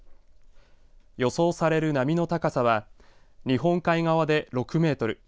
予想される波の高さは日本海側で６メートル